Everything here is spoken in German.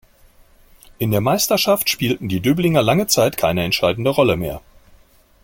In der Meisterschaft spielten die Döblinger lange Zeit keine entscheidende Rolle mehr.